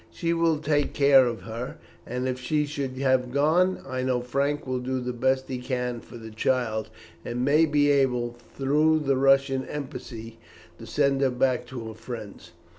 She will take care of her, and if she should have gone, I know Frank will do the best he can for the child, and may be able, through the Russian embassy, to send her back to her friends."